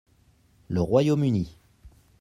Le Royaume-Uni.